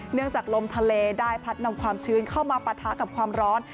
จากลมทะเลได้พัดนำความชื้นเข้ามาปะทะกับความร้อน